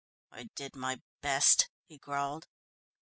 "I did my best," he growled.